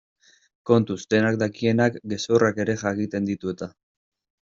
Kontuz, dena dakienak gezurrak ere jakiten ditu eta?